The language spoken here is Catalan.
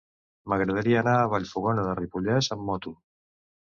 M'agradaria anar a Vallfogona de Ripollès amb moto.